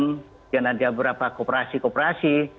kemudian ada beberapa kooperasi kooperasi